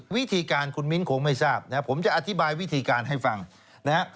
วิธีการคุณมิ้นคงไม่ทราบนะผมจะอธิบายวิธีการให้ฟังนะฮะ